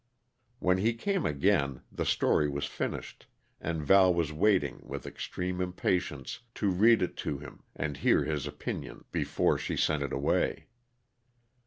When he came again, the story was finished, and Val was waiting, with extreme impatience, to read it to him and hear his opinion before she sent it away.